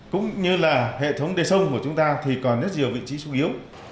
cũng như là hệ thống đê sông của chúng ta thì còn rất nhiều vị trí xuống yếu